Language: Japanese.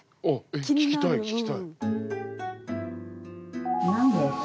おっ聞きたい聞きたい。